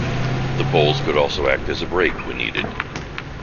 The poles could also act as a brake when needed.